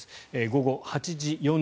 午後８時４１分。